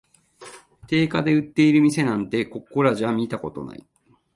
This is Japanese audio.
定価で売ってる店なんて、ここらじゃ見たことない